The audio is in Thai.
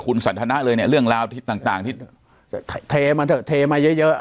คุณสันทนะเลยเนี่ยเรื่องราวต่างที่จะเทมาเถอะเทมาเยอะเยอะ